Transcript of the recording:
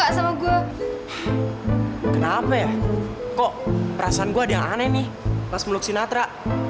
ah mendingan gue nyari cheesecake aja